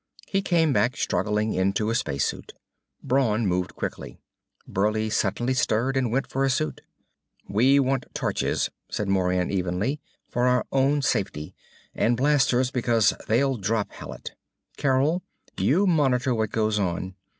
He came back, struggling into a space suit. Brawn moved quickly. Burleigh suddenly stirred and went for a suit. "We want torches," said Moran evenly, "for our own safety, and blasters because they'll drop Hallet. Carol, you monitor what goes on.